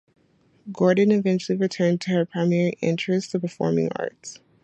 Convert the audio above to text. Gordon eventually returned to her primary interest, the performing arts.